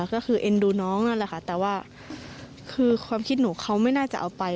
ก็คือเอ็นดูน้องนั่นแหละค่ะแต่ว่าคือความคิดหนูเขาไม่น่าจะเอาไป